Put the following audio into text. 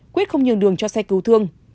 quyết không nhường đường cho xe cứu thương